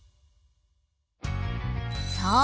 そう。